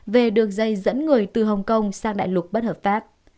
về đường dây dẫn người từ hồng kông sang đại lục bất hợp pháp